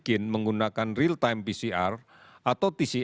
dan kemudian dilakukan testing secara masif